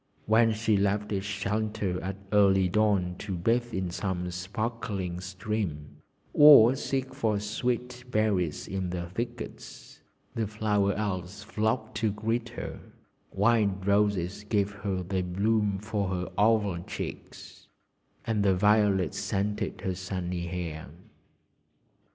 When she left its shelter at early dawn to bathe in some sparkling stream, or seek for sweet berries in the thickets, the Flower Elves flocked to greet her; wild roses gave her their bloom for her oval cheeks, and the violets scented her sunny hair.